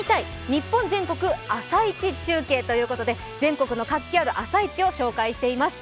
日本全国朝市中継ということで、全国の活気ある朝市を紹介しています。